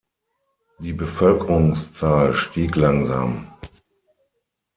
Die Bevölkerungszahl stieg langsam.